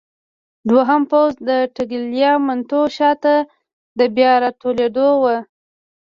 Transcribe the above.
دوهم پوځ د ټګلیامنتو شاته د بیا راټولېدو.